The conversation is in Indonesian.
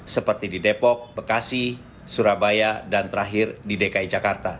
seperti di depok bekasi surabaya dan terakhir di dki jakarta